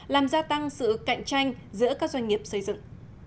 làm gia tăng sự cạnh tranh giữa các doanh nghiệp xây dựng